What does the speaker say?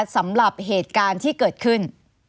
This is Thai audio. สำหรับเหตุการณ์ที่เกิดขึ้น